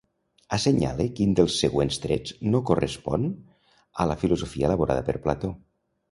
Assenyale quin dels següents trets no correspon a la filosofia elaborada per Plató.